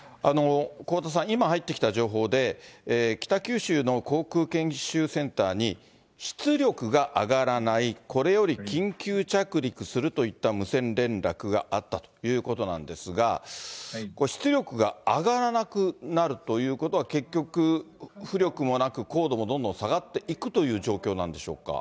こうださん、今入ってきた情報で、北九州の航空研修センターに、出力が上がらない、これより緊急着陸するといった無線連絡があったということなんですが、出力が上がらなくなるということは結局、浮力もなく、高度もどんどん下がっていくという状況なんでしょうか。